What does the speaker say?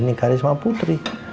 ini karisma putri